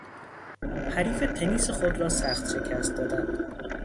حریف تنیس خود را سخت شکست دادن